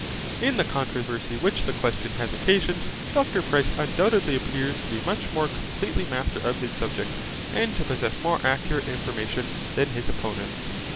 In the controversy which the question has occasioned, Dr Price undoubtedly appears to be much more completely master of his subject, and to possess more accurate information, than his opponents.